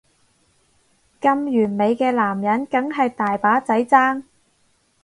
咁完美嘅男人梗係大把仔爭